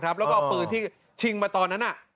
แล้วก็เอาปืนที่ชิงมาตอนนั้น